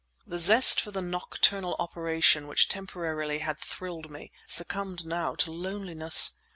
The zest for the nocturnal operation which temporarily had thrilled me succumbed now to loneliness.